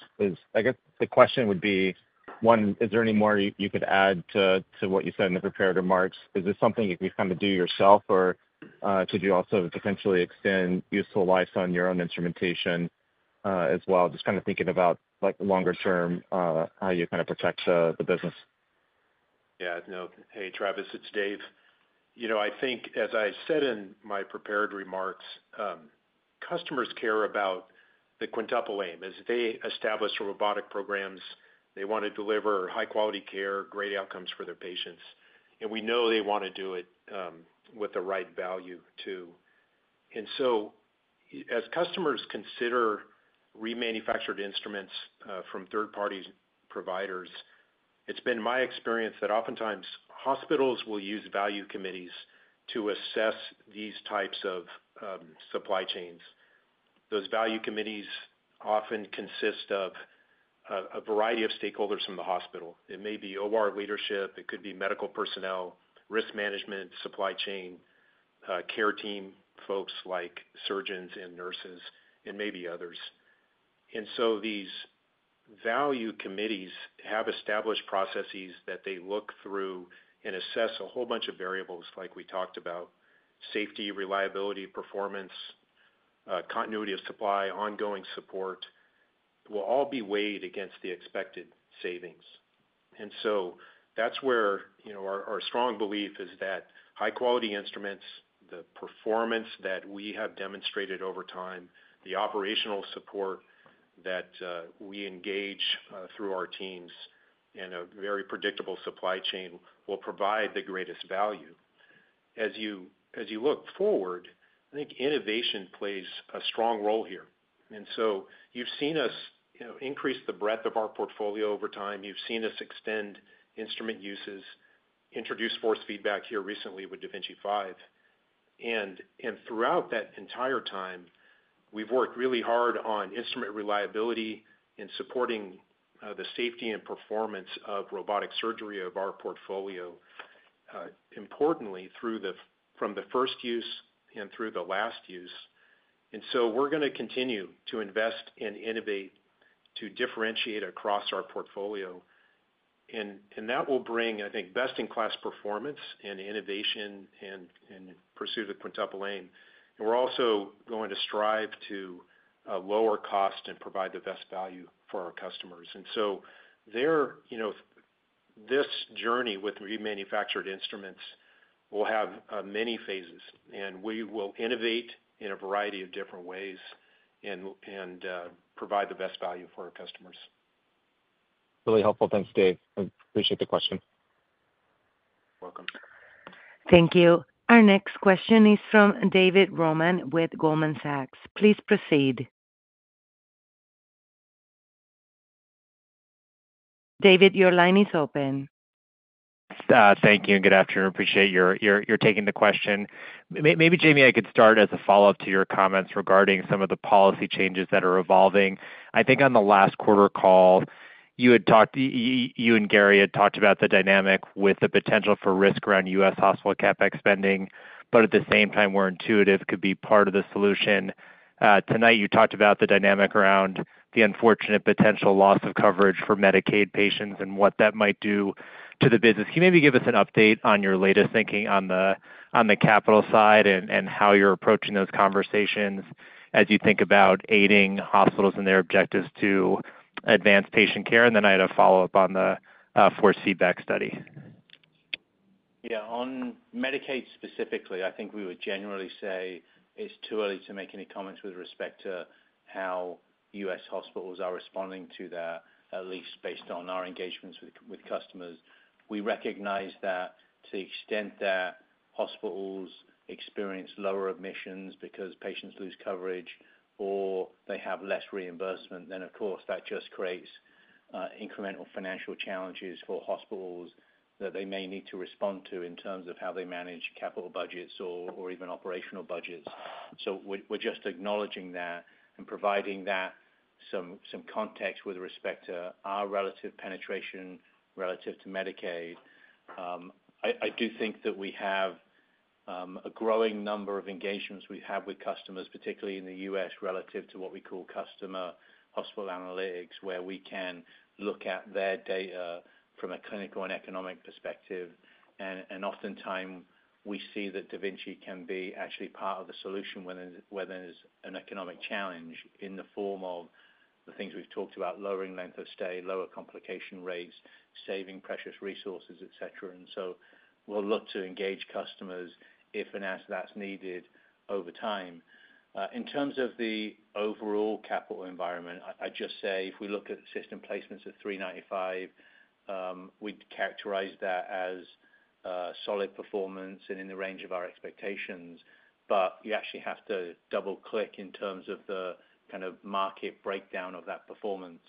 I guess the question would be, one, is there any more you could add to what you said in the prepared remarks? Is this something you can kind of do yourself, or could you also potentially extend useful life on your own instrumentation as well? Just kind of thinking about longer term, how you kind of protect the business. Yeah, no. Hey, Travis, it's Dave. I think, as I said in my prepared remarks. Customers care about the quintuple aim. As they establish robotic programs, they want to deliver high-quality care, great outcomes for their patients. We know they want to do it with the right value too. As customers consider remanufactured instruments from third-party providers, it's been my experience that oftentimes hospitals will use value committees to assess these types of supply chains. Those value committees often consist of a variety of stakeholders from the hospital. It may be OR leadership. It could be medical personnel, risk management, supply chain, care team folks like surgeons and nurses, and maybe others. These value committees have established processes that they look through and assess a whole bunch of variables like we talked about. Safety, reliability, performance, continuity of supply, ongoing support will all be weighed against the expected savings. That's where our strong belief is that high-quality instruments, the performance that we have demonstrated over time, the operational support that we engage through our teams in a very predictable supply chain will provide the greatest value. As you look forward, I think innovation plays a strong role here. You've seen us increase the breadth of our portfolio over time. You've seen us extend instrument uses, introduce force feedback here recently with da Vinci 5. Throughout that entire time, we've worked really hard on instrument reliability and supporting the safety and performance of robotic surgery of our portfolio, importantly, from the first use and through the last use. We're going to continue to invest and innovate to differentiate across our portfolio. That will bring, I think, best-in-class performance and innovation and pursuit of the quintuple aim. We're also going to strive to lower cost and provide the best value for our customers. This journey with remanufactured instruments will have many phases, and we will innovate in a variety of different ways and provide the best value for our customers. Really helpful. Thanks, Dave. I appreciate the question. Welcome. Thank you. Our next question is from David Roman with Goldman Sachs. Please proceed. David, your line is open. Thank you. Good afternoon. Appreciate your taking the question. Maybe, Jamie, I could start as a follow-up to your comments regarding some of the policy changes that are evolving. I think on the last quarter call, you and Gary had talked about the dynamic with the potential for risk around U.S. Hospital CapEx spending, but at the same time, where Intuitive could be part of the solution. Tonight, you talked about the dynamic around the unfortunate potential loss of coverage for Medicaid patients and what that might do to the business. Can you maybe give us an update on your latest thinking on the capital side and how you're approaching those conversations as you think about aiding hospitals and their objectives to advance patient care? And then I had a follow-up on the force feedback study. Yeah. On Medicaid specifically, I think we would generally say it's too early to make any comments with respect to how U.S. hospitals are responding to that, at least based on our engagements with customers. We recognize that to the extent that hospitals experience lower admissions because patients lose coverage or they have less reimbursement, then, of course, that just creates incremental financial challenges for hospitals that they may need to respond to in terms of how they manage capital budgets or even operational budgets. We are just acknowledging that and providing that context with respect to our relative penetration relative to Medicaid. I do think that we have a growing number of engagements we have with customers, particularly in the U.S., relative to what we call customer hospital analytics, where we can look at their data from a clinical and economic perspective. Oftentimes, we see that da Vinci can be actually part of the solution when there's an economic challenge in the form of the things we've talked about: lowering length of stay, lower complication rates, saving precious resources, etc. We will look to engage customers if and as that's needed over time. In terms of the overall capital environment, I'd just say if we look at system placements at 395, we'd characterize that as solid performance and in the range of our expectations. You actually have to double-click in terms of the kind of market breakdown of that performance.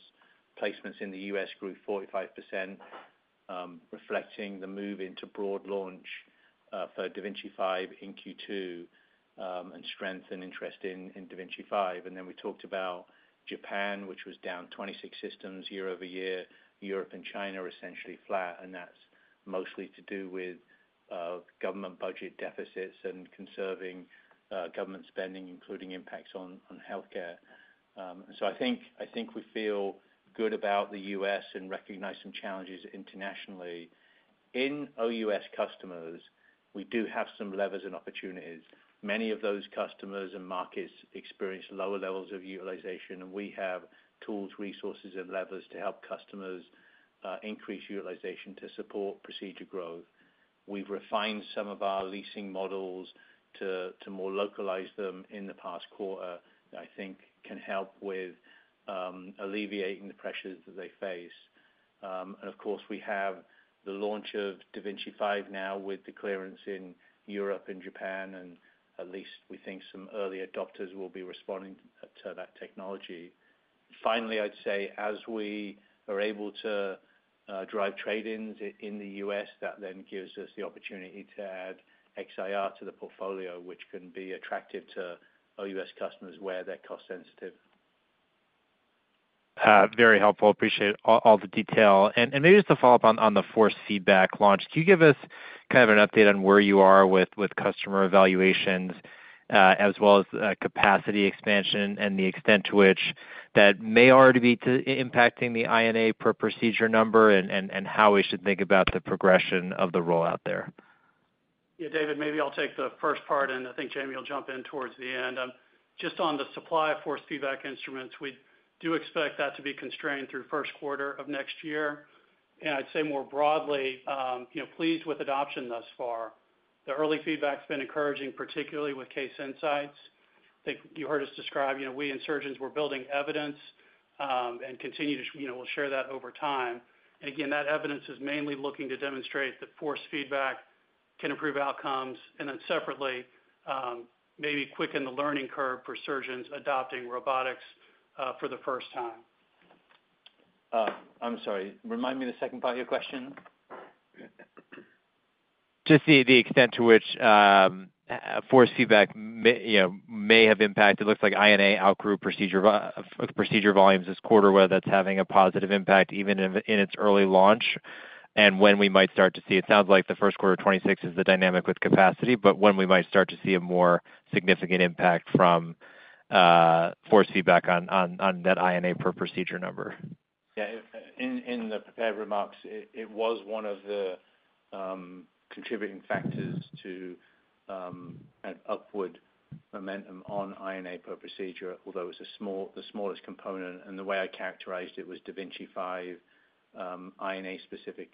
Placements in the U.S. grew 45%, reflecting the move into broad launch for da Vinci 5 in Q2 and strength and interest in da Vinci 5. We talked about Japan, which was down 26 systems year over year. Europe and China are essentially flat, and that's mostly to do with government budget deficits and conserving government spending, including impacts on healthcare. I think we feel good about the U.S. and recognize some challenges internationally. In OUS customers, we do have some levers and opportunities. Many of those customers and markets experience lower levels of utilization, and we have tools, resources, and levers to help customers increase utilization to support procedure growth. We've refined some of our leasing models to more localize them in the past quarter, which I think can help with alleviating the pressures that they face. Of course, we have the launch of da Vinci 5 now with the clearance in Europe and Japan, and at least we think some early adopters will be responding to that technology. Finally, I'd say as we are able to drive trade-ins in the U.S., that then gives us the opportunity to add XIR to the portfolio, which can be attractive to OUS customers where they're cost-sensitive. Very helpful. Appreciate all the detail. Maybe just a follow-up on the force feedback launch. Can you give us kind of an update on where you are with customer evaluations, as well as capacity expansion and the extent to which that may already be impacting the INA per procedure number and how we should think about the progression of the rollout there? Yeah, David, maybe I'll take the first part, and I think Jamie will jump in towards the end. Just on the supply force feedback instruments, we do expect that to be constrained through first quarter of next year. I'd say more broadly, pleased with adoption thus far. The early feedback has been encouraging, particularly with Case Insights. I think you heard us describe we and surgeons were building evidence and continue to we'll share that over time. Again, that evidence is mainly looking to demonstrate that force feedback can improve outcomes and then separately maybe quicken the learning curve for surgeons adopting robotics for the first time. I'm sorry. Remind me the second part of your question. Just the extent to which force feedback may have impacted. It looks like INA outgrew procedure volumes this quarter, whether that's having a positive impact even in its early launch and when we might start to see it. It sounds like the first quarter of 2026 is the dynamic with capacity, but when we might start to see a more significant impact from force feedback on that INA per procedure number. Yeah. In the prepared remarks, it was one of the contributing factors to kind of upward momentum on INA per procedure, although it was the smallest component. The way I characterized it was da Vinci 5 INA-specific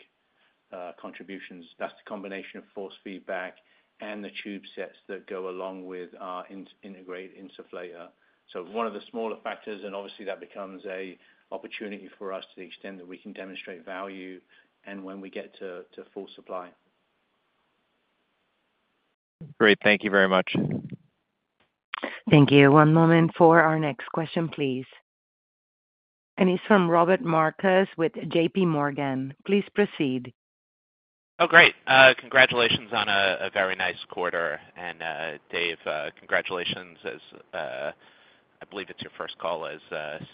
contributions. That's the combination of force feedback and the tube sets that go along with our Integrated Insufflator. One of the smaller factors, and obviously that becomes an opportunity for us to the extent that we can demonstrate value and when we get to full supply. Great. Thank you very much. Thank you. One moment for our next question, please. It's from Robbie Marcus with JPMorgan. Please proceed. Oh, great. Congratulations on a very nice quarter. Dave, congratulations. I believe it's your first call as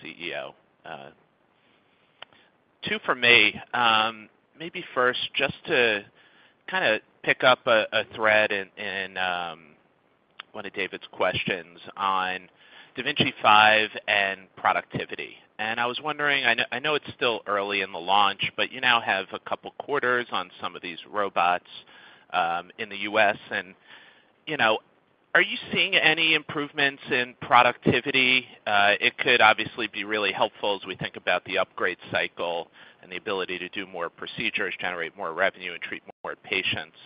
CEO. Two for me. Maybe first, just to kind of pick up a thread in one of David's questions on da Vinci 5 and productivity. I was wondering, I know it's still early in the launch, but you now have a couple of quarters on some of these robots in the U.S. Are you seeing any improvements in productivity? It could obviously be really helpful as we think about the upgrade cycle and the ability to do more procedures, generate more revenue, and treat more patients.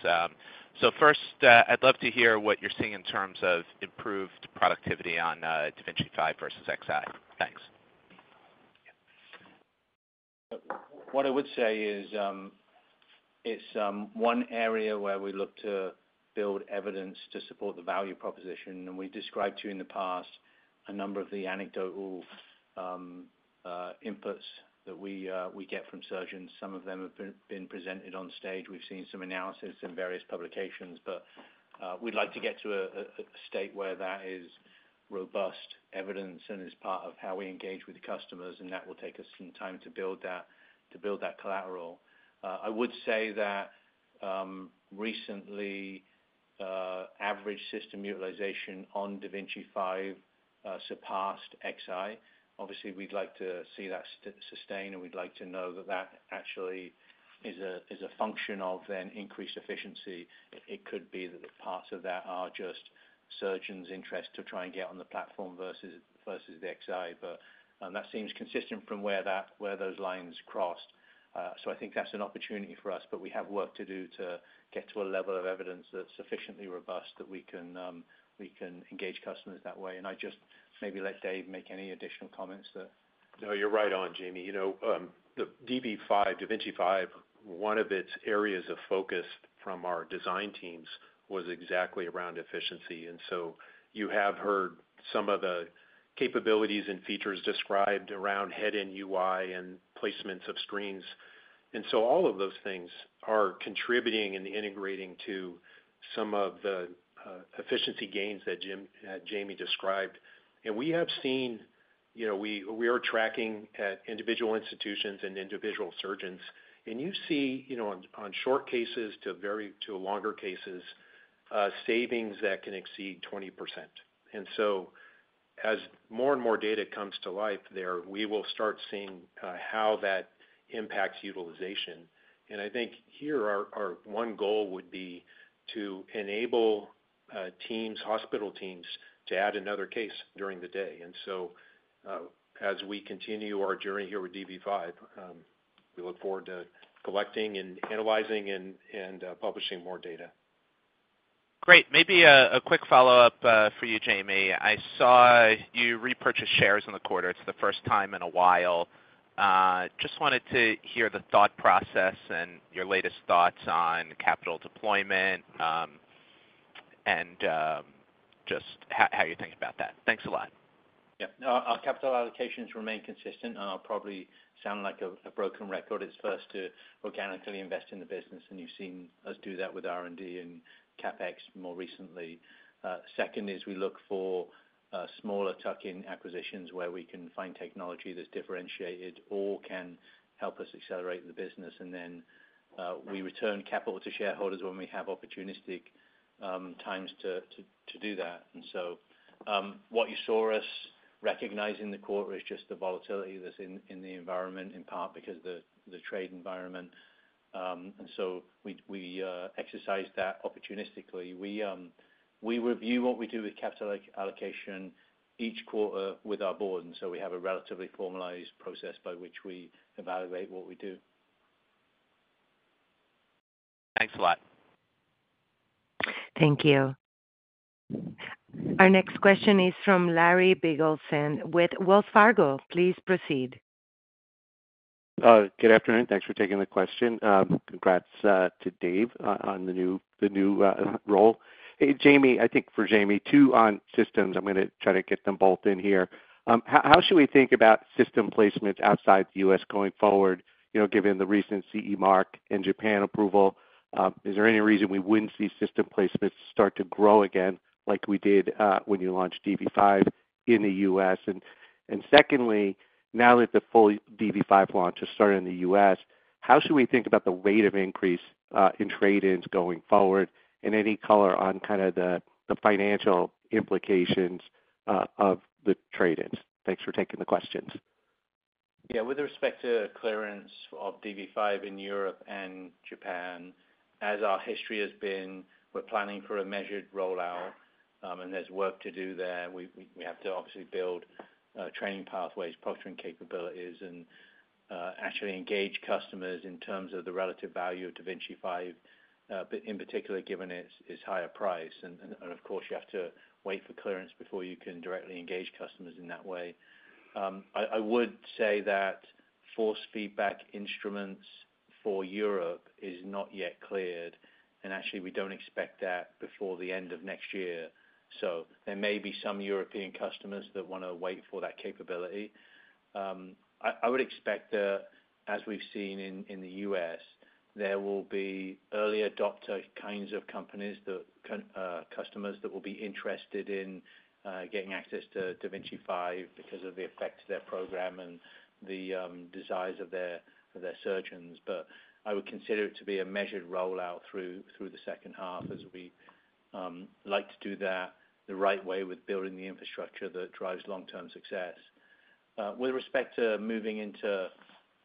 First, I'd love to hear what you're seeing in terms of improved productivity on da Vinci 5 versus XI. Thanks. What I would say is, it's one area where we look to build evidence to support the value proposition. We described to you in the past a number of the anecdotal inputs that we get from surgeons. Some of them have been presented on stage. We've seen some analysis in various publications, but we'd like to get to a state where that is robust evidence and is part of how we engage with customers, and that will take us some time to build that collateral. I would say that recently, average system utilization on da Vinci 5 surpassed XI. Obviously, we'd like to see that sustain, and we'd like to know that that actually is a function of then increased efficiency. It could be that parts of that are just surgeons' interest to try and get on the platform versus the XI, but that seems consistent from where those lines crossed. I think that's an opportunity for us, but we have work to do to get to a level of evidence that's sufficiently robust that we can engage customers that way. I just maybe let Dave make any additional comments. No, you're right on, Jamie. The da Vinci 5, one of its areas of focus from our design teams was exactly around efficiency. You have heard some of the capabilities and features described around head-in UI and placements of screens. All of those things are contributing and integrating to some of the efficiency gains that Jamie described. We are tracking at individual institutions and individual surgeons, and you see on short cases to longer cases, savings that can exceed 20%. As more and more data comes to life there, we will start seeing how that impacts utilization. I think here our one goal would be to enable teams, hospital teams, to add another case during the day. As we continue our journey here with da Vinci 5, we look forward to collecting and analyzing and publishing more data. Great. Maybe a quick follow-up for you, Jamie. I saw you repurchased shares in the quarter. It's the first time in a while. Just wanted to hear the thought process and your latest thoughts on capital deployment. Just how you're thinking about that. Thanks a lot. Yeah. Our capital allocations remain consistent. It'll probably sound like a broken record. It's first to organically invest in the business, and you've seen us do that with R&D and CapEx more recently. Second is we look for smaller tuck-in acquisitions where we can find technology that's differentiated or can help us accelerate the business. We return capital to shareholders when we have opportunistic times to do that. What you saw us recognizing in the quarter is just the volatility that's in the environment, in part because of the trade environment. We exercise that opportunistically. We review what we do with capital allocation each quarter with our board. We have a relatively formalized process by which we evaluate what we do. Thanks a lot. Thank you. Our next question is from Larry Biegelsen with Wells Fargo. Please proceed. Good afternoon. Thanks for taking the question. Congrats to Dave on the new role. Jamie, I think for Jamie, two on systems. I'm going to try to get them both in here. How should we think about system placements outside the U.S. going forward, given the recent CE Mark and Japan approval? Is there any reason we wouldn't see system placements start to grow again like we did when you launched da Vinci 5 in the U.S.? Secondly, now that the full da Vinci 5 launch has started in the U.S., how should we think about the rate of increase in trade-ins going forward and any color on kind of the financial implications of the trade-ins? Thanks for taking the questions. Yeah. With respect to clearance of da Vinci 5 in Europe and Japan, as our history has been, we're planning for a measured rollout, and there's work to do there. We have to obviously build training pathways, proctoring capabilities, and actually engage customers in terms of the relative value of da Vinci 5, in particular, given its higher price. Of course, you have to wait for clearance before you can directly engage customers in that way. I would say that force feedback instruments for Europe are not yet cleared, and actually, we don't expect that before the end of next year. There may be some European customers that want to wait for that capability. I would expect that, as we've seen in the U.S., there will be early adopter kinds of customers that will be interested in getting access to da Vinci 5 because of the effect on their program and the desires of their surgeons. I would consider it to be a measured rollout through the second half as we like to do that the right way with building the infrastructure that drives long-term success. With respect to moving into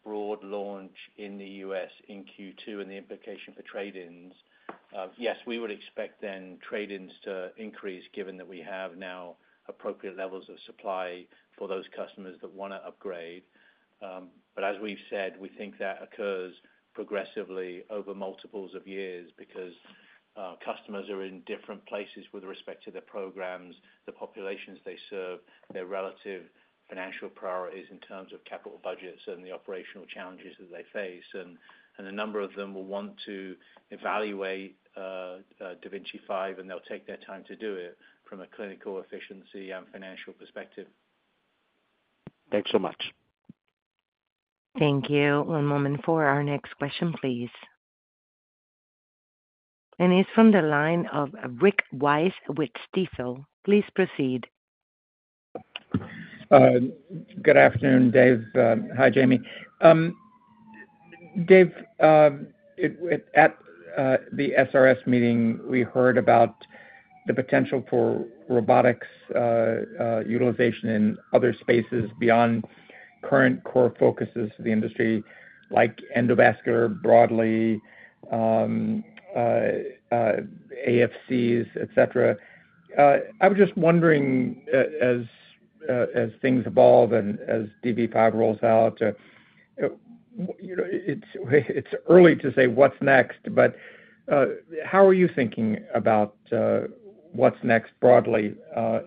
broad launch in the U.S. in Q2 and the implication for trade-ins, yes, we would expect then trade-ins to increase given that we have now appropriate levels of supply for those customers that want to upgrade. As we've said, we think that occurs progressively over multiples of years because customers are in different places with respect to their programs, the populations they serve, their relative financial priorities in terms of capital budgets, and the operational challenges that they face. A number of them will want to evaluate. da Vinci 5, and they'll take their time to do it from a clinical efficiency and financial perspective. Thanks so much. Thank you. One moment for our next question, please. And it's from the line of Rick Wise with Stifel. Please proceed. Good afternoon, Dave. Hi, Jamie. Dave. At the SRS meeting, we heard about the potential for robotics utilization in other spaces beyond current core focuses of the industry like endovascular broadly, ASCs, etc. I was just wondering. As things evolve and as DB5 rolls out. It's early to say what's next, but how are you thinking about what's next broadly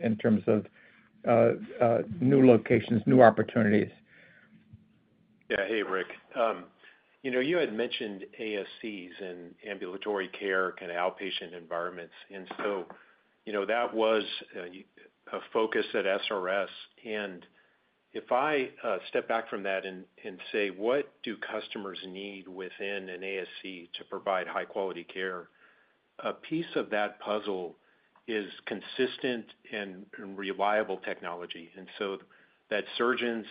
in terms of new locations, new opportunities? Yeah. Hey, Rick. You had mentioned ASCs and ambulatory care, kind of outpatient environments. And so that was a focus at SRS. If I step back from that and say, what do customers need within an ASC to provide high-quality care? A piece of that puzzle is consistent and reliable technology. So that surgeons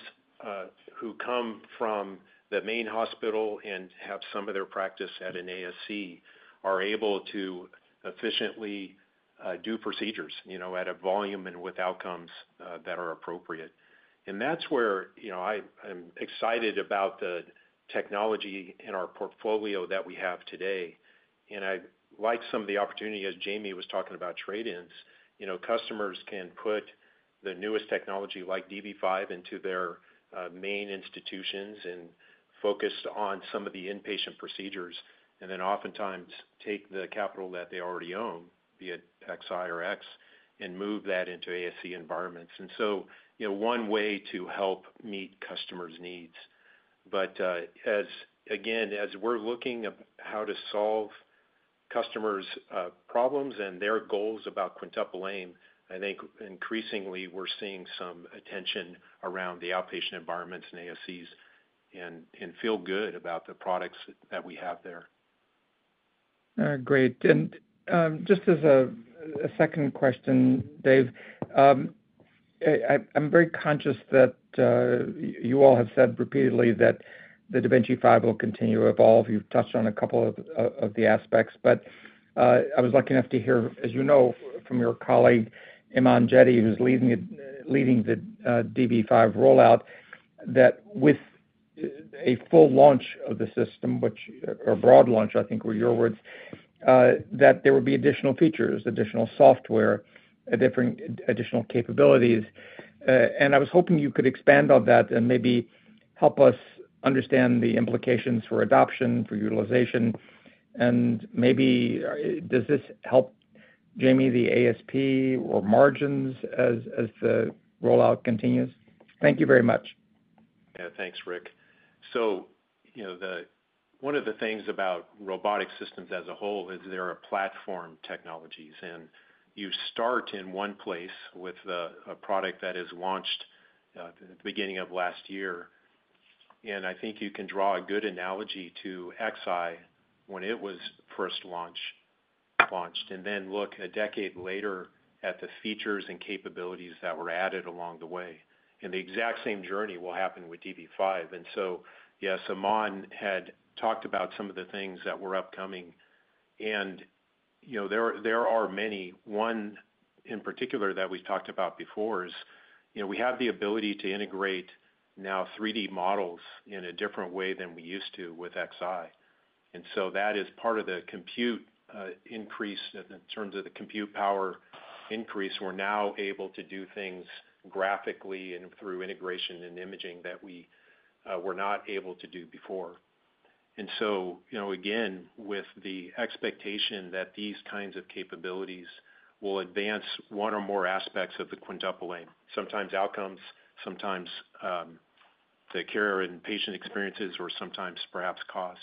who come from the main hospital and have some of their practice at an ASC are able to efficiently do procedures at a volume and with outcomes that are appropriate. That's where I'm excited about the technology in our portfolio that we have today. I like some of the opportunity as Jamie was talking about trade-ins. Customers can put the newest technology like DB5 into their main institutions and focus on some of the inpatient procedures, and then oftentimes take the capital that they already own, be it Xi or X, and move that into ASC environments. That is one way to help meet customers' needs. Again, as we're looking at how to solve customers' problems and their goals about quintuple aim, I think increasingly we're seeing some attention around the outpatient environments and ASCs and feel good about the products that we have there. Great. Just as a second question, Dave. I'm very conscious that you all have said repeatedly that the da Vinci 5 will continue to evolve. You've touched on a couple of the aspects. I was lucky enough to hear, as you know, from your colleague, Iman Jetty, who's leading the DB5 rollout, that with a full launch of the system, which or broad launch, I think were your words, that there would be additional features, additional software, additional capabilities. I was hoping you could expand on that and maybe help us understand the implications for adoption, for utilization. Maybe does this help, Jamie, the ASP or margins as the rollout continues? Thank you very much. Yeah. Thanks, Rick. One of the things about robotic systems as a whole is they're a platform technology. You start in one place with a product that is launched at the beginning of last year. I think you can draw a good analogy to Xi when it was first launched, and then look a decade later at the features and capabilities that were added along the way. The exact same journey will happen with DB5. Yes, Iman had talked about some of the things that were upcoming. There are many. One in particular that we have talked about before is we have the ability to integrate now 3D models in a different way than we used to with XI. That is part of the compute increase in terms of the compute power increase. We are now able to do things graphically and through integration and imaging that we were not able to do before. With the expectation that these kinds of capabilities will advance one or more aspects of the quintuple aim, sometimes outcomes, sometimes the care and patient experiences, or sometimes perhaps cost.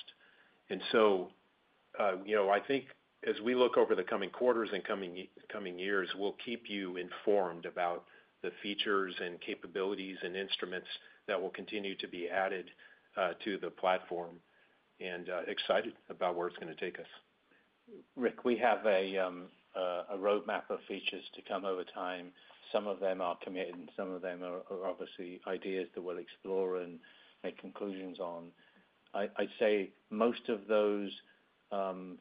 I think as we look over the coming quarters and coming years, we will keep you informed about the features and capabilities and instruments that will continue to be added to the platform. Excited about where it is going to take us. Rick, we have a roadmap of features to come over time. Some of them are committed, and some of them are obviously ideas that we will explore and make conclusions on. I would say most of those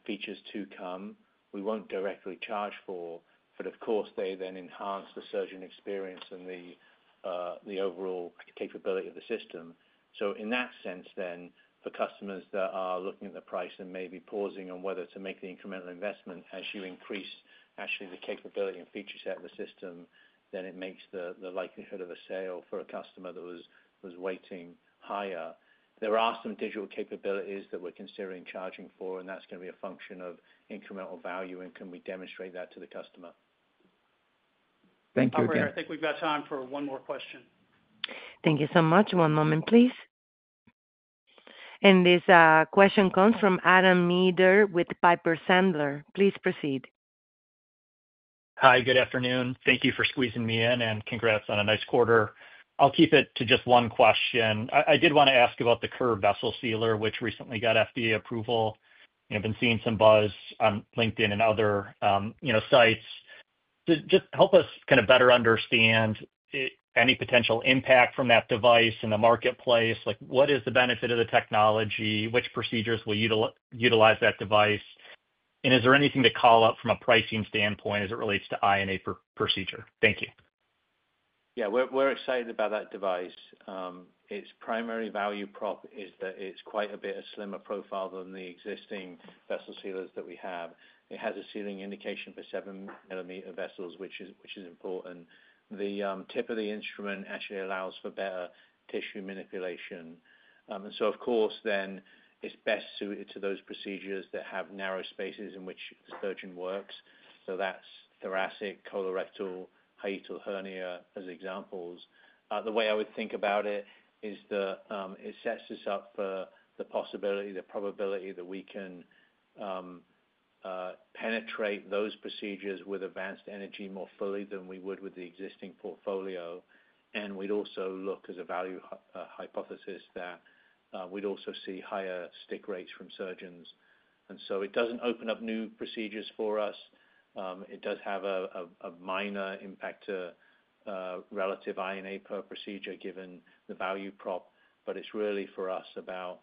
features to come, we will not directly charge for, but of course, they then enhance the surgeon experience and the overall capability of the system. In that sense, for customers that are looking at the price and maybe pausing on whether to make the incremental investment, as you increase actually the capability and feature set of the system, it makes the likelihood of a sale for a customer that was waiting higher. There are some digital capabilities that we are considering charging for, and that is going to be a function of incremental value, and can we demonstrate that to the customer. Thank you, Dave. I think we have got time for one more question. Thank you so much. One moment, please. This question comes from Adam Meader with Piper Sandler. Please proceed. Hi. Good afternoon. Thank you for squeezing me in, and congrats on a nice quarter. I will keep it to just one question. I did want to ask about the curved vessel sealer, which recently got FDA approval. I have been seeing some buzz on LinkedIn and other sites. Just help us kind of better understand any potential impact from that device in the marketplace. What is the benefit of the technology? Which procedures will utilize that device? Is there anything to call out from a pricing standpoint as it relates to INA procedure? Thank you. Yeah. We are excited about that device. Its primary value prop is that it is quite a bit slimmer profile than the existing vessel sealers that we have. It has a sealing indication for 7-millimeter vessels, which is important. The tip of the instrument actually allows for better tissue manipulation. Of course, then it is best suited to those procedures that have narrow spaces in which the surgeon works. That's thoracic, colorectal, hiatal hernia as examples. The way I would think about it is that it sets us up for the possibility, the probability that we can penetrate those procedures with advanced energy more fully than we would with the existing portfolio. We'd also look as a value hypothesis that we'd also see higher stick rates from surgeons. It does not open up new procedures for us. It does have a minor impact to relative INA per procedure given the value prop, but it's really for us about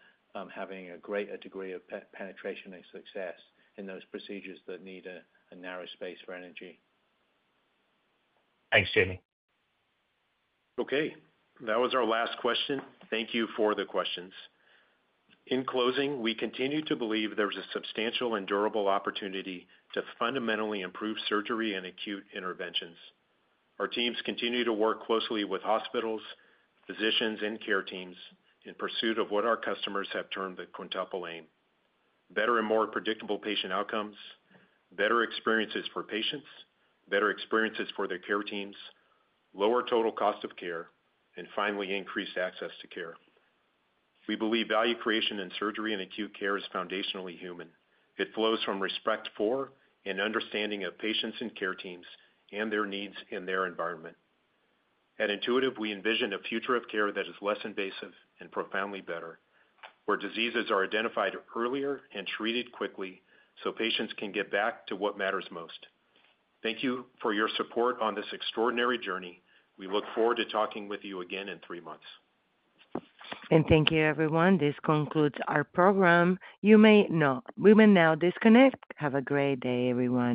having a greater degree of penetration and success in those procedures that need a narrow space for energy. Thanks, Jamie. Okay. That was our last question. Thank you for the questions. In closing, we continue to believe there's a substantial and durable opportunity to fundamentally improve surgery and acute interventions. Our teams continue to work closely with hospitals, physicians, and care teams in pursuit of what our customers have termed the quintuple aim: better and more predictable patient outcomes, better experiences for patients, better experiences for their care teams, lower total cost of care, and finally, increased access to care. We believe value creation in surgery and acute care is foundationally human. It flows from respect for and understanding of patients and care teams and their needs in their environment. At Intuitive, we envision a future of care that is less invasive and profoundly better, where diseases are identified earlier and treated quickly so patients can get back to what matters most. Thank you for your support on this extraordinary journey. We look forward to talking with you again in three months. Thank you, everyone. This concludes our program. You may now disconnect. Have a great day, everyone.